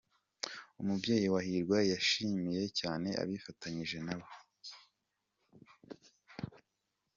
Umubyeyi wa Hirwa yashimiye cyane abifatanyije nabo.